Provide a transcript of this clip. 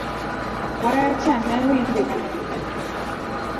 Wayacha ne oriembe thurgi?